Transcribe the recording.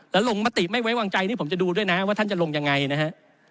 แล้วลงมติไม่ไว้วางใจนี่ผมจะดูด้วยนะว่าท่านจะลงยังไงนะฮะ